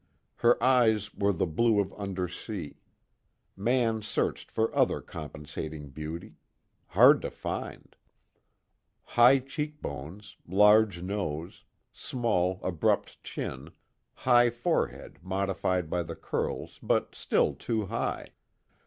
Her eyes were the blue of undersea. Mann searched for other compensating beauty hard to find. High cheekbones, large nose, small abrupt chin, high forehead modified by the curls but still too high.